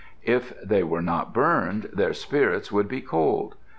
If they were not burned their spirits would be cold.